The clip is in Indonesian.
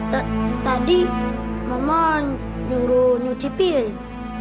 t tadi mama nyuruh nyucipin